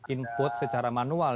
input secara manual